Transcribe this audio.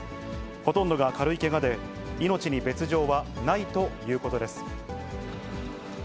ほとんどが軽いけがで、命に別状はないということです。